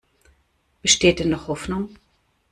Besteht denn noch Hoffnung?